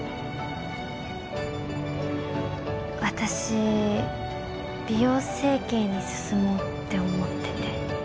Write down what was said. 私美容整形に進もうって思ってて。